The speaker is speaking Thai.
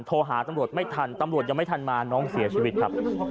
โทรหาตำรวจไม่ทันตำรวจยังไม่ทันมาน้องเสียชีวิตครับ